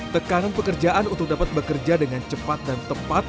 tekanan pekerjaan untuk dapat bekerja dengan cepat dan tepat